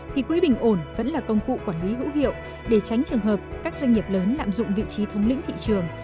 thì quỹ bình ổn vẫn là công cụ quản lý hữu hiệu để tránh trường hợp các doanh nghiệp lớn lạm dụng vị trí thống lĩnh thị trường